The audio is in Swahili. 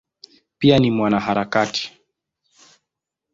Pia ni mwanaharakati.